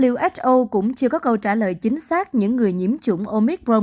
who cũng chưa có câu trả lời chính xác những người nhiễm chủng omicron